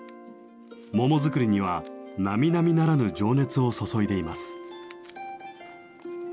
桃作りにはなみなみならぬ情熱を注いでいます。